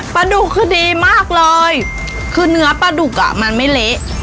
ปลาดุกคือดีมากเลยคือเนื้อปลาดุกอ่ะมันไม่เละ